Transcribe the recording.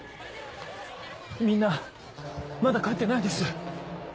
みんなまだ帰ってないです！